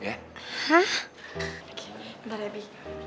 bentar ya fi